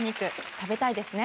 食べたいですね。